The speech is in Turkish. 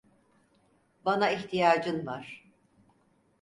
Bana ihtiyacın var.